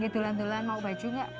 dulan dulan mau baju gak